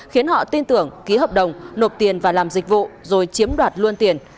khiến họ tin tưởng ký hợp đồng nộp tiền và làm dịch vụ rồi chiếm đoạt luôn tiền